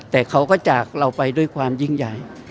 แต่เขาก็จากเราไปด้วยความยิ่งใหญ่